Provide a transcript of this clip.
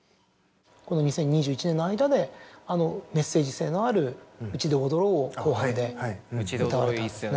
この２０２１年の間であのメッセージ性のある『うちで踊ろう』を『紅白』で歌われたんですね。